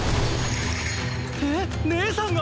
えっねえさんが！？